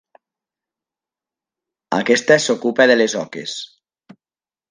Aquesta s'ocupa de les oques.